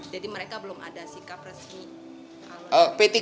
jadi mereka belum ada sikap resmi